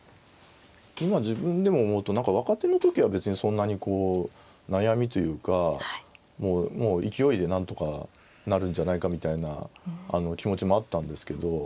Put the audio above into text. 今自分でも思うと何か若手の時は別にそんなにこう悩みというかもう勢いでなんとかなるんじゃないかみたいな気持ちもあったんですけど